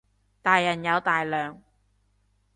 大人有大量